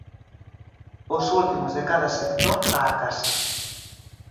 Os últimos de cada sector á casa.